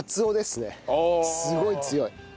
すごい強い。